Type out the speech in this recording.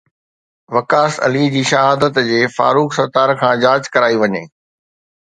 وقاص علي جي شهادت جي فاروق ستار کان جاچ ڪرائي وڃي